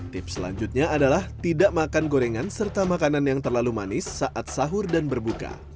tips selanjutnya adalah tidak makan gorengan serta makanan yang terlalu manis saat sahur dan berbuka